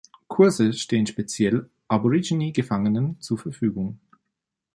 Kurse stehen speziell Aborigine-Gefangenen zur Verfügung.